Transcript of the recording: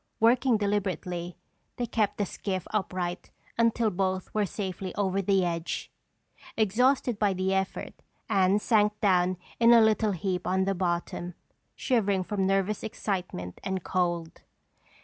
Working deliberately, they kept the skiff upright until both were safely over the edge. Exhausted by the effort, Anne sank down in a little heap on the bottom, shivering from nervous excitement and cold.